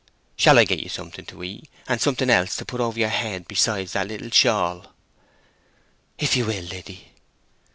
"Shall I get you something to eat, and something else to put over your head besides that little shawl?" "If you will, Liddy."